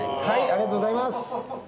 ありがとうございます。